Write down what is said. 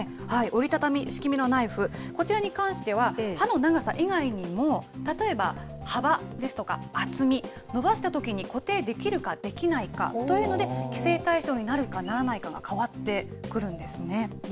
折り畳み式のナイフ、こちらに関しては、刃の長さ以外にも、例えば、幅ですとか厚み、伸ばしたときに固定できるかできないかというので、規制対象になるかならないかが変わってくるんですね。